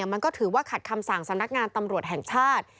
มันก็ถือว่าขัดคำสั่งสำนักงานตำรวจแห่งชาติ